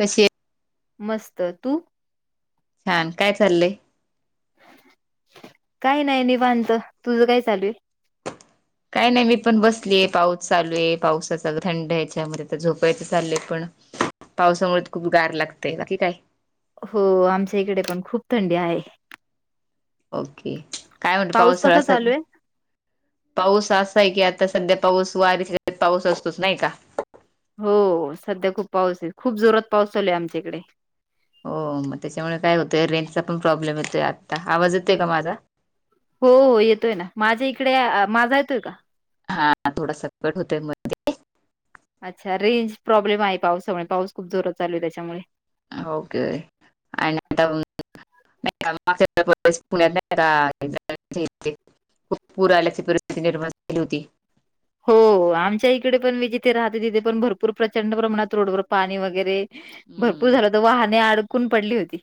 कसे [unintelligible] मस्त, तू? हा काय चाललंय काही नाही निवांत, तुझं काय चालू आहे? काय नाही मी पण बसलीय पाऊस चालू आहे पावसाचा थंड ह्याच्यामध्ये तर झोपायचं चाललंय पण [inaudible] पावसामुळे खूप गार लागतय बाकी काय? हो, आमच्या इकडे पण खूप थंडी आहे. ओके, काय म्हणतं पाऊस पावसाळा कसा अस चालू आहे पाऊस असा आहे की, आता सध्या पाऊस वारी पाऊस असतोच नाही का? हो, हो सध्या खूप पाऊस आहे, खूप जोरात पाऊस चालूये आमच्या इकडे. हो मग त्याच्यामुळे काय होतंय रेंजचा पण प्रॉब्लेम येतोय आता आवाज येतोय का माझा? हो हो येतोय ना. माझ्या इकडे माझा येतोय का? हां, थोडासा कट होतोय मध्ये. अच्छा, रेंज प्रॉब्लेम आहे पावसामुळे पाऊस खूप जोरात चालू आहे त्याच्यामुळे. ओके अन [unintelligible] नाही काग पुण्यात नाही का. [unintelligible] खूप पूर आल्याची परिस्थिती निर्माण झाली होती. हो, आमच्या इकडे पण मी जिथे राहते तिथे पण भरपूर प्रचंड प्रमाणात रोडवर पाणी वगैरे भरपूर हम्म झालं होतं, तर वाहने अडकून पडली होती.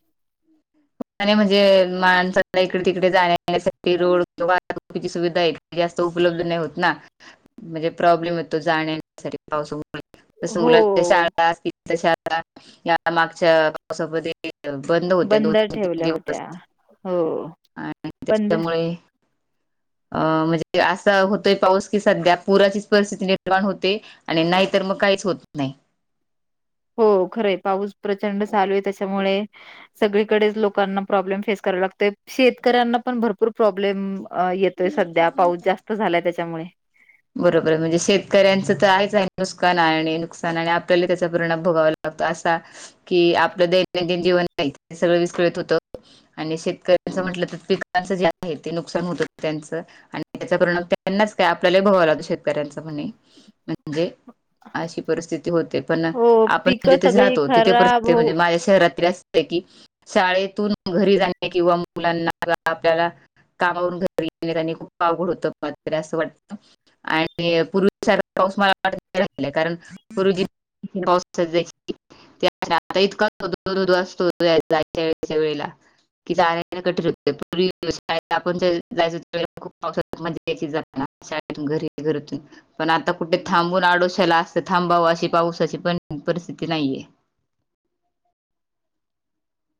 आणि म्हणजे माणसाला इकडे-तिकडे जाण्या-येण्यासाठी रोड, वाहतुकीची सुविधा आहे. जास्त उपलब्ध नाही होत ना? म्हणजे प्रॉब्लेम होतो जाण्या-येण्यासाठी पाऊसा तसं हो मुलाच्या शाळा असतील तर शाळा, या मागच्या पावसामध्ये एक तर बंद होत्या दोन ते तीन ठेवल्या दिवस होत्या. हो, आणि बंद. त्याच्यामुळे अं म्हणजे असा होतोय पाऊस, की सध्या पुराचीच परिस्थिती निर्माण होते. आणि नाहीतर मग काहीच होत नाही. हो, खरंय पाऊस प्रचंड चालू आहे. त्याच्यामुळे सगळीकडेच लोकांना प्रॉब्लेम फेस करावं लागतंय शेतकऱ्यांना पण भरपूर प्रॉब्लेम अं येतोय सध्या, पाऊस जास्त झालाय त्याच्यामुळे. बरोबर आहे, म्हणजे शेतकऱ्यांचं तर आहेच आहे नुसकान आणि नुकसान आणि आपल्याला त्याचा परिणाम भोगावा ला होतो असा, की आपलं दैनंदिन जीवन आहे ते सगळं विस्कळीत होतं. आणि शेतकऱ्यांचं म्हटलं, तर पिकांचं जे आहे ते नुकसान होतं त्यांचं. आणि त्याचा परिणाम त्यांनाच काय, आपल्यालाही भोगावा लागतो शेतकऱ्यांचा म्हणे. म्हणजे अशी परिस्थिती होते. पण हो आपण पिकं जिथेच सगळी राहातो तिथे खराब परिस्थिती हो म्हणजे माझ्या शहरातली पैकी शाळेतून घरी जाणे किंवा मुलांना, आपल्याला कामावरून घरी येताना, खूप अवघड होतं. मला तरी असं वाट आणि पूर्वी सारखा पाऊस, मला वाटतं नाही राहीला. कारण [unintelligible] त्या आता इतका धो धो असतो, जायच्या यायच्या वेळेला. कि जाणं येणं कठीण होतं, पूर्वी शाळेत आपण जायचो तिकडे खूप पाऊसात मज्जा यायची जाताना. शाळेतून घरी घरातून पण आता कुठे थांबून आडोशाला अस थांबावं, अशी पाऊसाची पण परिस्थिती नाहीये.